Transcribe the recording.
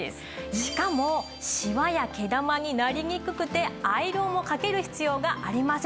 しかもシワや毛玉になりにくくてアイロンをかける必要がありません。